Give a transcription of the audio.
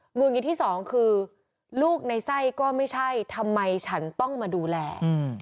ุดหงิดที่สองคือลูกในไส้ก็ไม่ใช่ทำไมฉันต้องมาดูแล